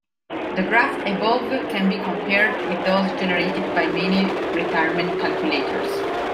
The graph above can be compared with those generated by many retirement calculators.